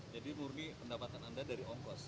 jadi murni pendapatan anda dari ongkos